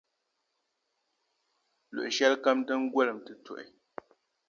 luɣu shɛlikam din golim ti tuhi.